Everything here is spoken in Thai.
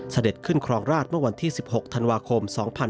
เสด็จขึ้นครองราชเมื่อวันที่๑๖ธันวาคม๒๕๕๙